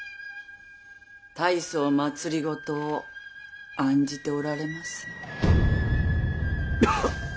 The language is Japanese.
大層政を案じておられます。